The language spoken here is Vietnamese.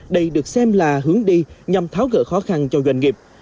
đây được xem là hướng đi nhằm tháo gỡ khó khăn cho doanh nghiệp